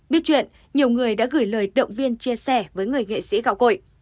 biết chuyện nhiều người đã gửi lời động viên chia sẻ với người nghệ sĩ gạo cội